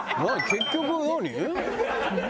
結局何？